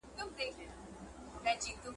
دولتي طرحې د پوهانو لخوا جوړیږي.